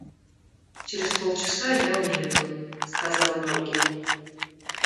– Через полчаса я уеду, – сказал он Ольге.